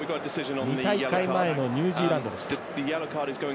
２大会前のニュージーランドでした。